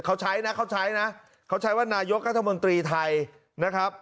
เขาใช้นะเขาใช้นะเขาใช้ว่านายกรัฐมนตรีไทยนะครับ